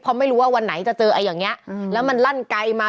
เพราะไม่รู้ว่าวันไหนจะเจอไอ้อย่างนี้แล้วมันลั่นไกลมา